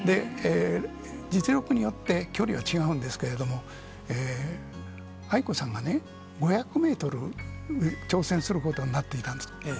実力によって、距離は違うんですけれども、愛子さまがね、５００メートル挑戦することになっていたんです。